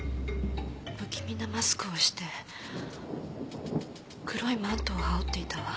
不気味なマスクをして黒いマントを羽織っていたわ。